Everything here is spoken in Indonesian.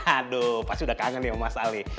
aduh pasti udah kangen nih sama mas al nih